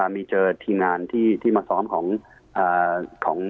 มีเจอทีมงานที่มาซ้อมของ